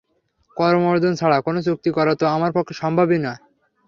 করমর্দন ছাড়া কোনও চুক্তি করা তো আমার পক্ষে সম্ভবই না!